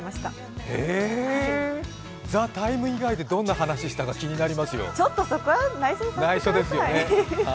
「ＴＩＭＥ，」以外でどんな話をしたか気になりますよ。